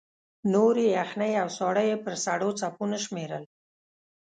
نورې یخنۍ او ساړه یې پر سړو څپو نه شمېرل.